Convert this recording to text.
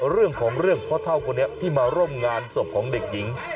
เรื่องของเรื่องพ่อเท่าคนนี้ที่มาร่วมงานศพของเด็กหญิง